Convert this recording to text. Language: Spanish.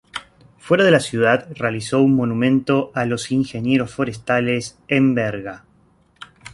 Fuera de la ciudad realizó un "Monumento a los ingenieros forestales", en Berga.